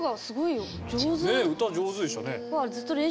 ねえ歌上手でしたね。